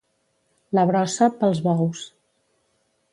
La brossa, pels bous.